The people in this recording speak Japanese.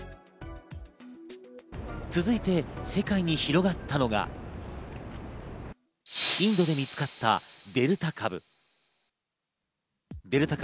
続いて世界に広がったのが、インドで見つかったデルタ株。